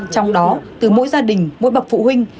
trong đó từ mỗi gia đình mỗi bậc phụ huynh